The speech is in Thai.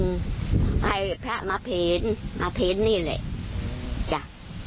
ให้พระมาแผนมาแผนนี่แหละจ้ะ